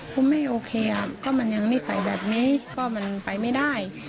คือไม่อยากอยู่ด้วย